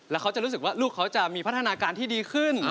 แล้วเขาจะรู้สึกว่าลูกเขาจะมีพัฒนาการที่ดีขึ้น